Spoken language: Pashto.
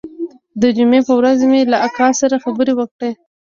د جمعې پر ورځ مې له اکا سره خبرې وکړې.